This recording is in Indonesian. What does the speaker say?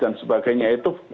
dan sebagainya itu